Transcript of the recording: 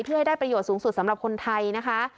เพื่อให้ได้ประโยชน์สูงสุดสำหรับคนไทยนะคะ